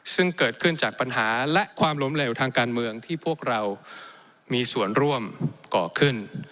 ซึ่งเกิดขึ้นจากปัญหาและความล้มเหลวทางการเมืองที่พวกเรามีส่วนร่วมก่อขึ้น